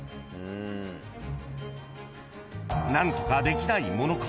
［何とかできないものか？］